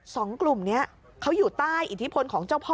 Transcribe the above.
สองกลุ่มนี้เขาอยู่ใต้อิทธิพลของเจ้าพ่อ